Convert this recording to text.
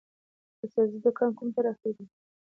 د سبزۍ دکان کوم طرف ته دی؟